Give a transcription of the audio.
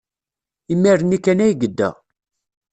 Imir-nni kan ay yedda.